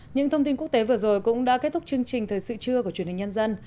những thông tin quốc tế vừa rồi cũng đã kết thúc chương trình thời sự trưa của truyền hình nhân dân